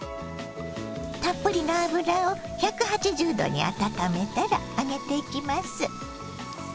たっぷりの油を１８０℃に温めたら揚げていきます。